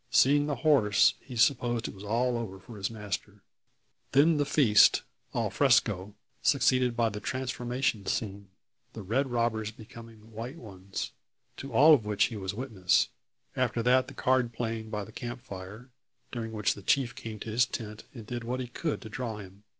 Seeing the horse, he supposed it all over with his master. Then the feast, al fresco, succeeded by the transformation scene the red robbers becoming white ones to all of which he was witness. After that the card playing by the camp fire, during which the chief came to his tent, and did what he could to draw him.